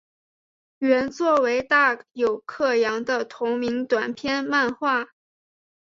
原作为大友克洋的同名短篇漫画。